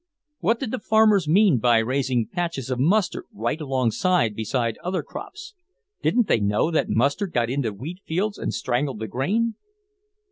What did the farmers mean by raising patches of mustard right along beside other crops? Didn't they know that mustard got into wheat fields and strangled the grain?